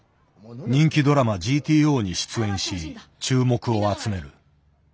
人気ドラマ「ＧＴＯ」に出演し注目を集める。